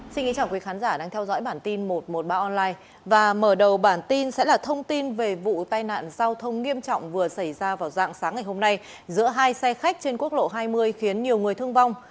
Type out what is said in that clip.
xin kính chào quý khán giả đang theo dõi bản tin một trăm một mươi ba online và mở đầu bản tin sẽ là thông tin về vụ tai nạn giao thông nghiêm trọng vừa xảy ra vào dạng sáng ngày hôm nay giữa hai xe khách trên quốc lộ hai mươi khiến nhiều người thương vong